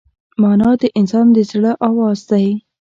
مانا د انسان د زړه آواز دی.